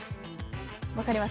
分かります？